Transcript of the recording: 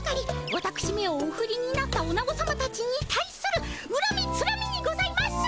わたくしめをおフリになったオナゴさまたちに対するうらみつらみにございます。